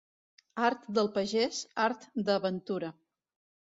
Art del pagès, art de ventura.